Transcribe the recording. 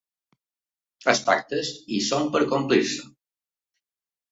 Els pactes, hi són per complir-se.